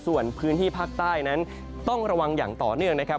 ส่วนพื้นที่ภาคใต้นั้นต้องระวังอย่างต่อเนื่องนะครับ